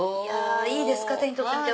いいですか手に取ってみて。